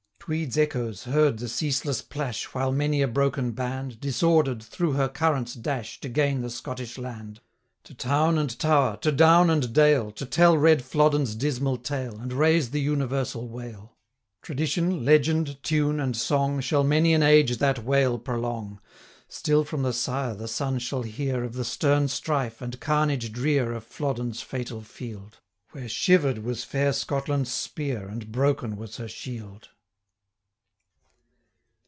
Tweed's echoes heard the ceaseless plash, While many a broken band, Disorder'd, through her currents dash, 1055 To gain the Scottish land; To town and tower, to down and dale, To tell red Flodden's dismal tale, And raise the universal wail. Tradition, legend, tune, and song, 1060 Shall many an age that wail prolong: Still from the sire the son shall hear Of the stern strife, and carnage drear, Of Flodden's fatal field, Where shiver'd was fair Scotland's spear, And broken was her shield!